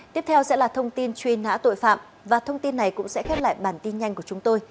tiếp theo sẽ là thông tin truy nã tội phạm và thông tin này cũng sẽ khép lại bản tin nhanh của chúng tôi